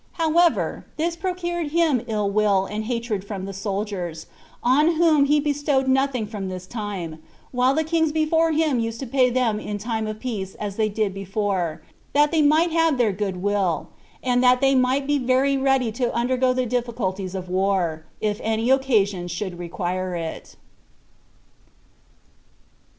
However, this procured him ill will and hatred from the soldiers; on whom he bestowed nothing from this time, while the kings before him used to pay them in time of peace as they did before, that they might have their good will, and that they might be very ready to undergo the difficulties of war, if any occasion should require it.